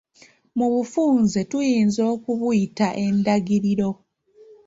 Mu bufunze tuyinza okubiyita endagiriro.